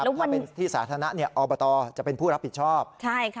ถ้าเป็นที่สาธารณะเนี้ยออกมาต่อจะเป็นผู้รับผิดชอบใช่ค่ะ